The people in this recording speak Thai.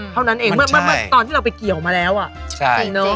เท่านั้นเองตอนที่เราไปเกี่ยวมาแล้วอะจริงเนอะมันมีรู้จนล๊อคมากจริง